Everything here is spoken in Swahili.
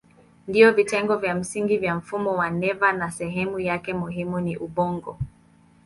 Ndiyo vitengo vya msingi vya mfumo wa neva na sehemu yake muhimu ni ubongo.